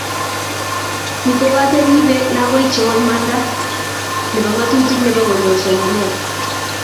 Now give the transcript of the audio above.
Ni kokakirebe lakoikcho imanda nebo ng'otutik nebo konyoru somanet